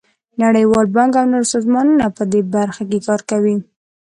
نړیوال بانک او نور سازمانونه په دې برخه کې کار کوي.